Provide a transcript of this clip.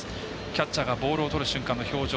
キャッチャーがボールをとる瞬間の表情。